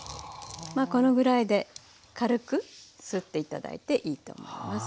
まあこのぐらいで軽くすって頂いていいと思います。